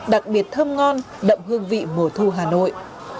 từ cốm đặc biệt thơm ngon đậm hương vị mùa thu hà nội